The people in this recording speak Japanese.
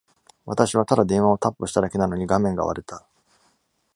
私はただ電話をタップしただけなのに、画面が割れた。